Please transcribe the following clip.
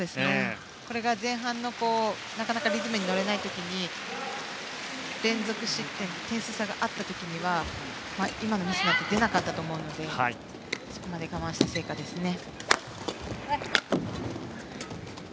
これが前半のなかなかリズムに乗れない時に連続失点で点数差があった時は今のミスなんて出なかったと思うのでそこまで我慢した成果ですね。